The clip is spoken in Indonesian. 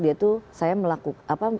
dia tuh saya melakukan